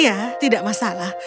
ya tidak masalah